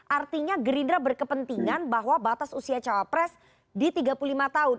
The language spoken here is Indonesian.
artinya gerindra berkepentingan bahwa batas usia cawapres di tiga puluh lima tahun